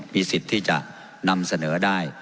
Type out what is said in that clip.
มีสิทธิ์ที่จะนำเสนอได้